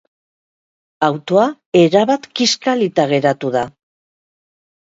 Autoa erabat kiskalita geratu da.